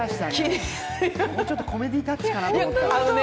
ちょっとコメディータッチかなと思った。